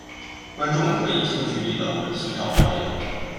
观众可以近距离地欣赏表演。